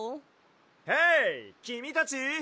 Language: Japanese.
・ヘイきみたち！